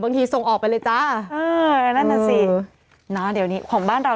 บางทีทรงออกไปเลยจ้ะอื้อนั่นน่ะสินะเดี๋ยวนี้ของบ้านเรา